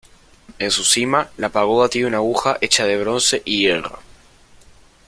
En su cima, la pagoda tiene una aguja hecha de bronce y hierro.